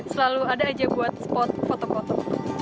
selalu ada aja buat spot foto foto